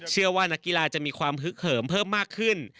เชื่อว่านักกีฬาจะมีความฮึกเหิมเพิ่มมากขึ้น